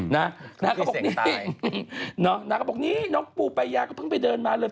เขาเคยเสียงตายนะครับพวกนี้น้องปู่ปัญญาก็เพิ่งไปเดินมาเลย